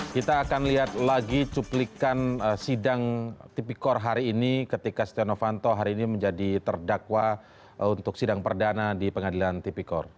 kita akan lihat lagi cuplikan sidang tipikor hari ini ketika setia novanto hari ini menjadi terdakwa untuk sidang perdana di pengadilan tipikor